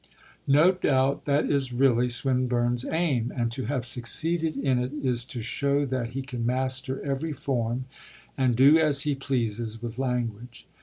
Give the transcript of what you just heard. No doubt that is really Swinburne's aim, and to have succeeded in it is to show that he can master every form, and do as he pleases with language.